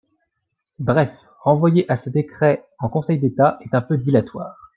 Bref, renvoyer à ce décret en Conseil d’État est un peu dilatoire.